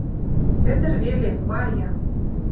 Ӹдӹр веле — Марья.